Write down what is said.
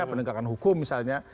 penegakan hukum misalnya